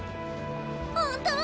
本当？